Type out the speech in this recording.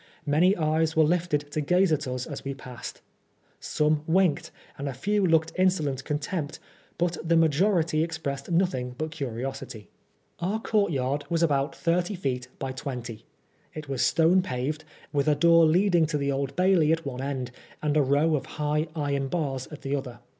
Many eyes were lifted to gaze at us as we passed. Some winked, and a few looked insolent NEWGATE. 91 contempt, bnt the majority expressed nothing but curiosity. Our courtyard was about thirty feet" by twenty. It was stone paved, with a door leading to the Old Bailey at one end, and a row of high iron bars at the other.